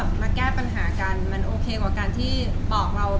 สิ่งที่ทำให้วัยใจในผู้ชายมากที่สุดคืออะไร